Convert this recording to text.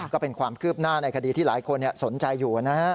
ก็เป็นความคืบหน้าในคดีที่หลายคนสนใจอยู่นะฮะ